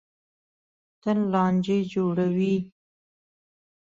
تل لانجې جوړوي.